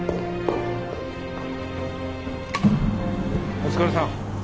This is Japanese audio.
お疲れさん